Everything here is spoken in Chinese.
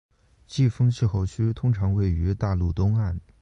季风气候区通常位于大陆东岸